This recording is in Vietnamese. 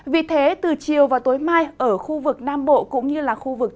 vì thế từ chiều và tối mai ở khu vực nam bộ cũng như là khu vực đông nam